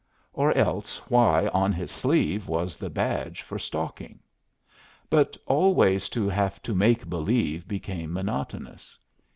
Or else why on his sleeve was the badge for "stalking"? But always to have to make believe became monotonous.